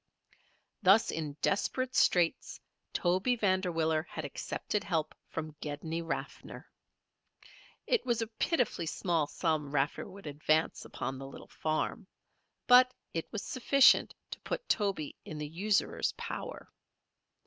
Thus in desperate straits Toby Vanderwiller had accepted help from Gedney Raffer. It was a pitifully small sum Raffer would advance upon the little farm; but it was sufficient to put Toby in the usurer's power.